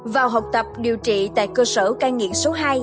vào học tập điều trị tại cơ sở cai nghiện số hai